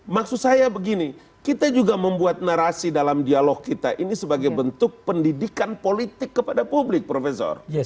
maksud saya begini kita juga membuat narasi dalam dialog kita ini sebagai bentuk pendidikan politik kepada publik profesor